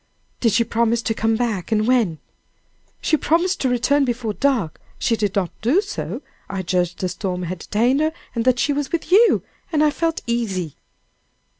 "Did she promise to come back? and when?" "She promised to return before dark! She did not do so! I judged the storm had detained her, and that she was with you, and I felt easy."